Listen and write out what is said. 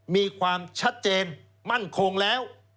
มีความชัดเจนมั่นคงแล้ว